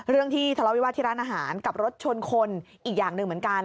ที่ทะเลาวิวาสที่ร้านอาหารกับรถชนคนอีกอย่างหนึ่งเหมือนกัน